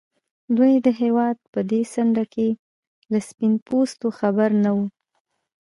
دوی د هېواد په دې څنډه کې له سپين پوستو خبر نه وو.